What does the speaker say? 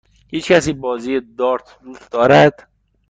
هیچکسی بازی دارت دوست دارد؟